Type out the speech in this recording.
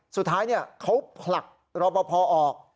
สุดท้ายเขาผลักรอปภออก